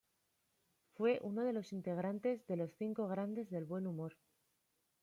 Fue uno de los integrantes de Los Cinco Grandes del Buen Humor.